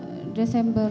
tahu saya desember